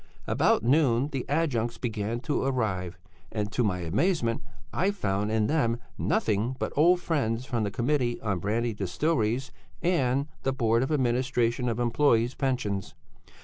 "About noon the adjuncts began to arrive, and to my amazement I found in them nothing but old friends from the Committee on Brandy Distilleries, and the Board of Administration of Employés' Pensions.